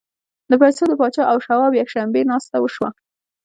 د پیسو د پاچا او شواب یکشنبې ناسته وشوه